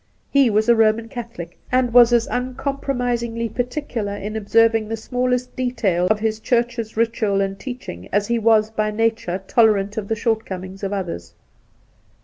He was a Eoman Catholic, and was as uncom promisingly particular in observing the smallest detail of his Church's ritual and teaching as he was by nature tolerant of the shortcomings of others.